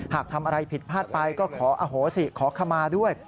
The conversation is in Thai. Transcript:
หากทำอะไรผิดพลาดไปก็ขออโหสิขอขมาด้วย